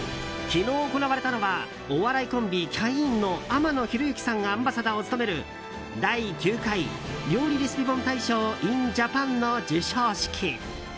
昨日行われたのはお笑いコンビ、キャインの天野ひろゆきさんがアンバサダーを務める第９回料理レシピ本大賞ｉｎＪａｐａｎの授賞式。